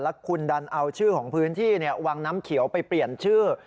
แล้วคุณดันเอาชื่อของพื้นที่วังน้ำเขียวไปเปลี่ยนชื่อ